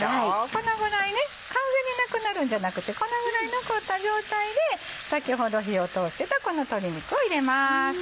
このぐらい完全になくなるんじゃなくてこのぐらい残った状態で先ほど火を通してたこの鶏肉を入れます。